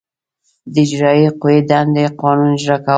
د اجرائیه قوې دندې قانون اجرا کول دي.